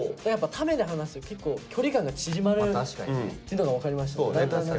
やっぱタメで話すと結構距離感が縮まるってのが分かりました。